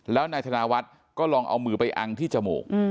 แล้วนายธนาวัฒน์ก็ลองเอามือไปอังที่จมูก